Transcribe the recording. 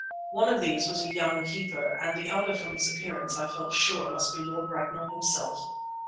One of these was a young keeper, and the other, from his appearance, I felt sure must be Lord Ragnall himself.